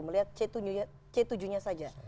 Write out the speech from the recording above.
melihat c tujuh nya saja